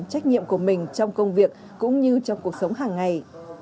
trách nhiệm của mình trong công việc cũng như trong cuộc sống hàng ngày